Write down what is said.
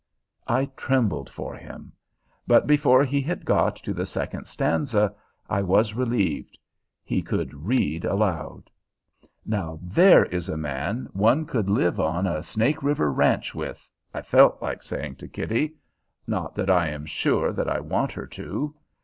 I trembled for him; but before he had got to the second stanza I was relieved: he could read aloud. "Now there is a man one could live on a Snake River ranch with," I felt like saying to Kitty. Not that I am sure that I want her to.